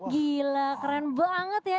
gila keren banget ya